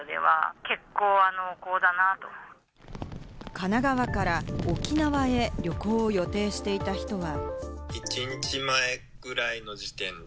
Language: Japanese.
神奈川から沖縄へ旅行を予定していた人は。